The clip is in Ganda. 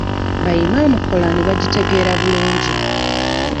Bayimaamu Kolaani bagitegeera bulungi.